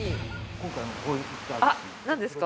今回こういったですね。